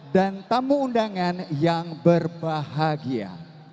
dan tamu undangan yang berbahagia